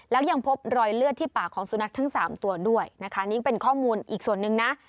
แล้วยังพบรอยเลือดที่ปากของสุนัขทั้งสามตัวด้วยนะคะนี่เป็นข้อมูลอีกส่วนหนึ่งนะ